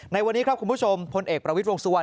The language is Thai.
ในวันนี้ครับคุณผู้ชมพลเอกประวิทยวงสุวรร